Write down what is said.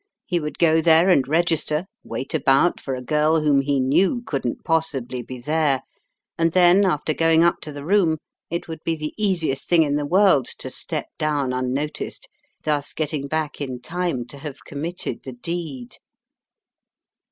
He would go there and register, wait about for a girl whom he knew couldn't possibly be there, and then, after going up to the room, it would be the easiest thing in the world to step down unnoticed, thus getting back in time to have committed the deed.